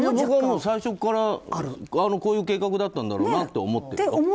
僕は最初からこういう計画だったんだろうなと思ってますよ。